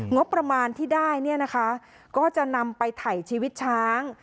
งบประมาณที่ได้เนี่ยนะคะก็จะนำไปถ่ายชีวิตช้าง